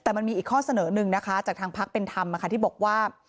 แต่มันมีอีกข้อเสนอหนึ่งนะคะจากทางพักเป็นธรรมที่บอกว่า